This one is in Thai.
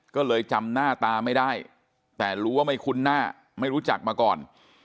ก็เลยจำหน้าตาไม่ได้แต่รู้ว่าไม่คุ้นหน้าไม่รู้จักมาก่อน